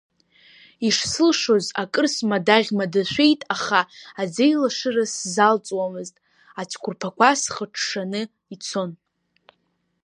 Ишсылшоз, акыр смадаӷь-мадашәеит, аха аӡеилашыра сзалҵуамызт, ацәқәырԥақәа схыҽҽаны ицон.